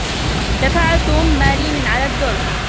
دفع توم ماري من على الدرج.